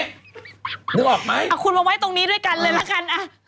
นึกออกไหมเอาคุณมาไว้ตรงนี้ด้วยกันเลยละกันอ่ะ